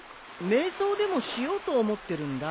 瞑想でもしようと思ってるんだ。